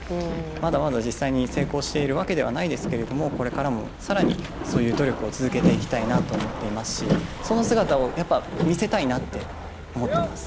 まだまだ実際に成功しているわけではないですけどもこれからも更にそういう努力を続けていきたいなと思っていますしその姿を見せたいなって思っています。